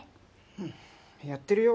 うんやってるよ